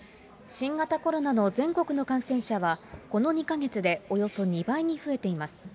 新型コロナの全国の感染者は、この２か月でおよそ２倍に増えています。